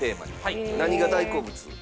何が大好物？